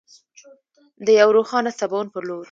د یو روښانه سباوون په لور.